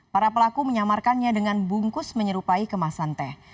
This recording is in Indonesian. para pelaku menyamarkannya dengan bungkus menyerupai kemasan teh